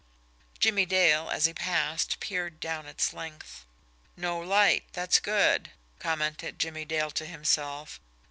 Jimmie Dale, as he passed, peered down its length. "No light that's good!" commented Jimmie Dale to himself.